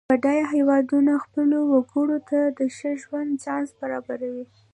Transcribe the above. بډایه هېوادونه خپلو وګړو ته د ښه ژوند چانس برابروي.